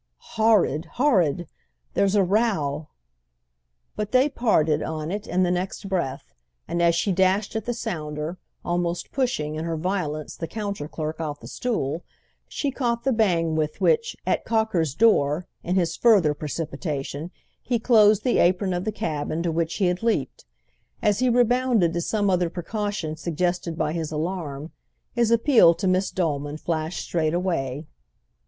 "Horrid, horrid—there's a row!" But they parted, on it, in the next breath; and as she dashed at the sounder, almost pushing, in her violence, the counter clerk off the stool, she caught the bang with which, at Cocker's door, in his further precipitation, he closed the apron of the cab into which he had leaped. As he rebounded to some other precaution suggested by his alarm, his appeal to Miss Dolman flashed straight away.